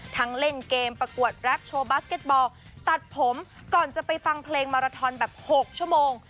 เล่นเกมประกวดแรปโชว์บาสเก็ตบอลตัดผมก่อนจะไปฟังเพลงมาราทอนแบบ๖ชั่วโมง